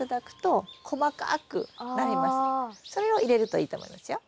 それを入れるといいと思いますよ。